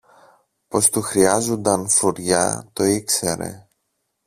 Πως του χρειάζουνταν φλουριά, το ήξερε.